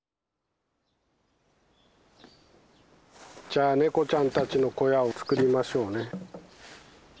じゃあ猫ちゃんたちの小屋を作りましょうね。